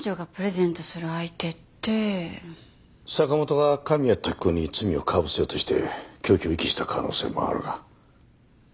坂元が神谷時子に罪をかぶせようとして凶器を遺棄した可能性もあるが。